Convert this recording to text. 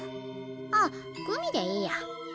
あっグミでいいや。